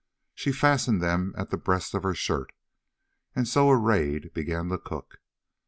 She fastened them at the breast of her shirt, and so arrayed began to cook.